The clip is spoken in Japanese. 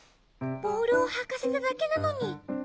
ボールをはかせただけなのに。